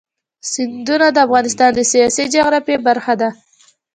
سیندونه د افغانستان د سیاسي جغرافیه برخه ده.